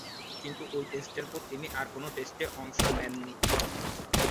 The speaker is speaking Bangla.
কিন্তু ঐ টেস্টের পর তিনি আর কোন টেস্টে অংশ নেননি।